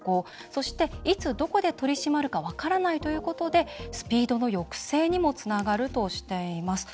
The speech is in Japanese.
そしていつ、どこで取り締まるか分からないということでスピードの抑制にもつながるとしています。